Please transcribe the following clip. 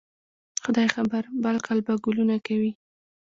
خدای خبر؟ بل کال به ګلونه کوي